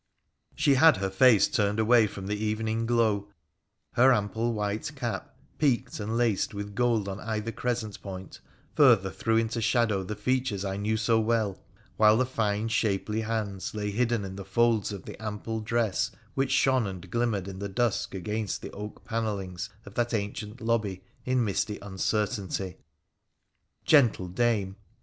She had her face turned away from the evening glow, her ample white cap, peaked and laced with gold on either crescent point, further threw into shadow the features I knew so well, while the fine shapely hands lay hidden in the folds of the ample dress which shone and glimmered in the dusk against the oak panellings of that ancient lobby in misty uncertainty. Gentle dame